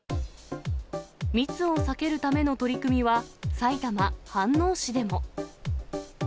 密を避けるための取り組みは、埼玉・飯能市でも。